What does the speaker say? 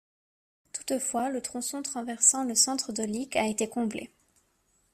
Toutefois, le tronçon traversant le centre de Leek a été comblé.